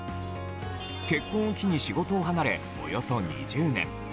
結婚を機に、仕事を離れおよそ２０年。